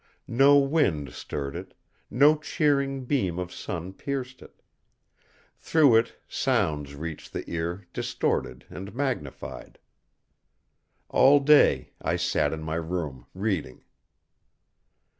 No wind stirred it, no cheering beam of sun pierced it. Through it sounds reached the ear distorted and magnified. All day I sat in my room reading.